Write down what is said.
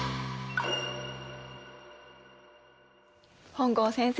本郷先生。